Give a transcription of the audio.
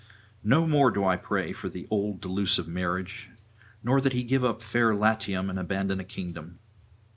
No more do I pray for the old delusive marriage, nor that he give up fair Latium and abandon a kingdom.